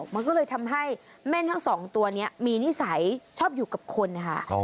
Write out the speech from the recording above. มันก็เลยทำให้แม่นทั้งสองตัวนี้มีนิสัยชอบอยู่กับคนนะคะ